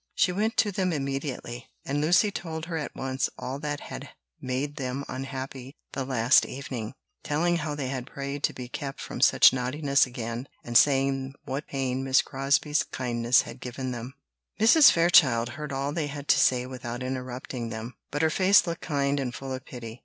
She went to them immediately, and Lucy told her at once all that had made them unhappy the last evening, telling how they had prayed to be kept from such naughtiness again, and saying what pain Miss Crosbie's kindness had given them. Mrs. Fairchild heard all they had to say without interrupting them, but her face looked kind and full of pity.